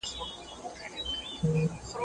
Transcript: لښتې په خپل ځان کې د یوې نوې هڅې توان نه لید.